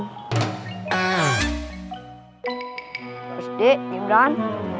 harus di gibran